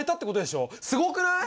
すごくない？